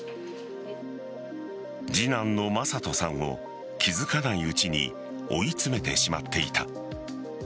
次男の匡人さんを気付かないうちに追い詰めてしまっていた。